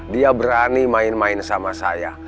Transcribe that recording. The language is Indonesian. dia berani main main sama saya